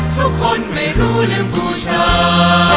ทุกคนไม่รู้เรื่องภูชา